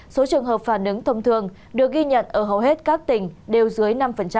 số trường hợp phản ứng thông thường được ghi nhận ở hầu hết các tỉnh đều dưới năm